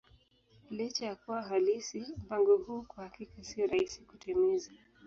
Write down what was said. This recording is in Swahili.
Licha ya kuwa halisi, mpango huu kwa hakika sio rahisi kutimiza.